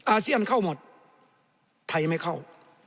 อาเซียนเข้าหมดไทยไม่เข้า